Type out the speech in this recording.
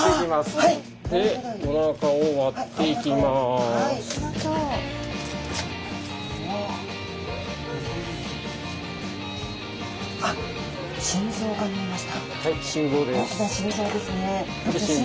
はい心臓です。